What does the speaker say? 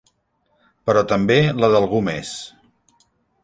Però també la d'algú més.